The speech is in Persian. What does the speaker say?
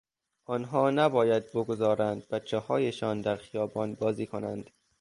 آنها نباید بگذارند بچههایشان در خیابان بازی کنند.